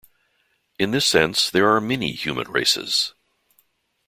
In this sense there are many human 'races.